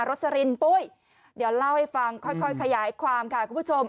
สลินปุ้ยเดี๋ยวเล่าให้ฟังค่อยขยายความค่ะคุณผู้ชม